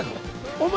お前。